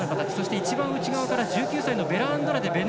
一番内側から１９歳のベラアンドラデ。